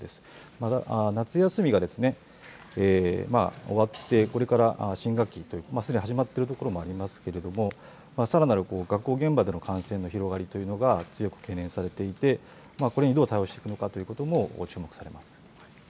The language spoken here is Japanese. また、夏休みがですね、終わって、これから新学期、すでに始まっている所もありますけれども、さらなる学校現場での感染の広がりというのが強く懸念されていて、これにどう対応していくのかということも注目されます。